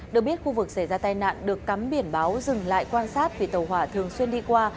được biết khu vực xảy ra tai nạn được cắm biển báo dừng lại quan sát vì tàu hỏa thường xuyên đi qua